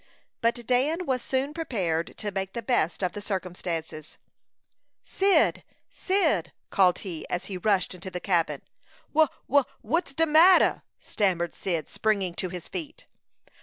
But Dan was soon prepared to make the best of the circumstances. "Cyd, Cyd!" called he, as he rushed into the cabin. "Wha wha what's de matter?" stammered Cyd, springing to his feet.